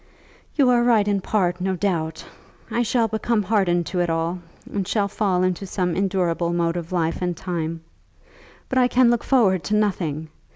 "You are right in part, no doubt. I shall become hardened to it all, and shall fall into some endurable mode of life in time. But I can look forward to nothing.